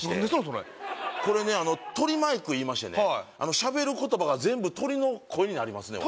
それこれね鳥マイクいいましてねしゃべる言葉が全部鳥の声になりますね